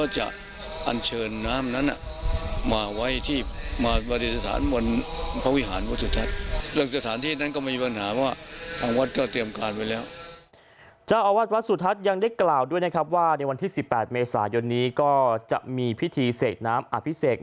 เจ้าอาวาสวัดสุทัศน์ยังได้กล่าวด้วยนะครับว่าในวันที่๑๘เมษายนนี้ก็จะมีพิธีเสกน้ำอภิเษก